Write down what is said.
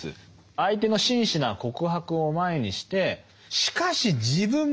相手の真摯な告白を前にしてしかし自分も悪かったと。